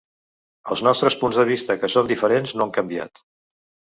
Els nostres punts de vista que són diferents no han canviat.